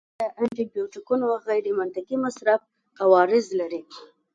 د خلکو لخوا د انټي بیوټیکو غیرمنطقي مصرف عوارض لري.